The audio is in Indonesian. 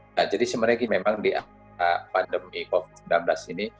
nah jadi sebenarnya memang di pandemi covid sembilan belas ini